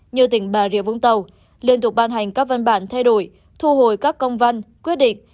như tỉnh bà rịa vũng tàu liên tục ban hành các văn bản thay đổi thu hồi các công văn quyết định